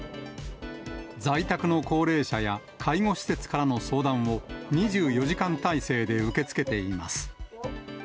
在宅の高齢者や介護施設からの相談を２４時間体制で受け付けています。